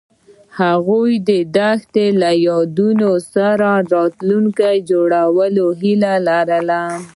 هغوی د دښته له یادونو سره راتلونکی جوړولو هیله لرله.